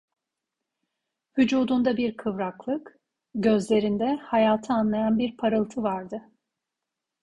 Vücudunda bir kıvraklık, gözlerinde hayatı anlayan bir parıltı vardı…